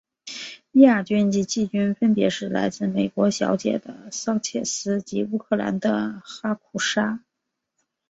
亚军及季军分别是来自美国小姐的桑切斯及乌克兰的哈库沙。